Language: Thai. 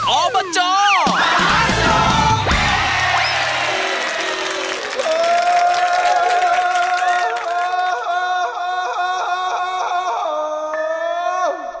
ออบจมหาสนุก